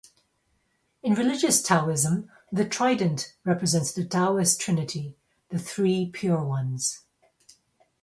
In religious Taoism, the trident represents the Taoist Trinity, the Three Pure Ones.